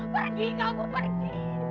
pergi kamu pergi